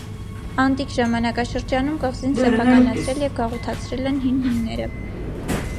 Անտիկ ժամանակաշրջանում կղզին սեփականացրել և գաղութացրել են հին հույները։